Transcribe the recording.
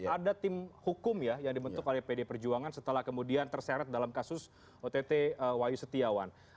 ada tim hukum ya yang dibentuk oleh pd perjuangan setelah kemudian terseret dalam kasus ott wayu setiawan